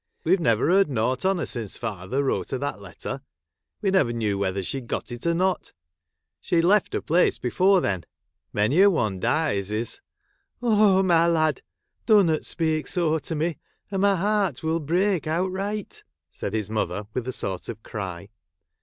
"We Ve never heard nought on her since father wrote her that letter ; we never knew whether she got it or not. She 'd left her place before then. Many a one dies is "' Oh my lad ! dunnot speak so to me, or my heart will break outright,' said his mother, with a sort of cry.